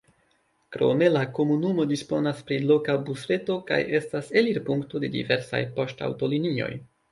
Krome la komunumo disponas pri loka busreto kaj estas elirpunkto de diversaj poŝtaŭtolinioj.